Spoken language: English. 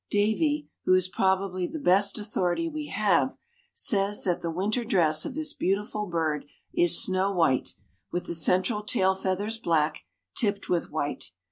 Davie, who is probably the best authority we have, says that the winter dress of this beautiful bird is snow white, with the central tail feathers black, tipped with white.